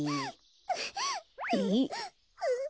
えっ？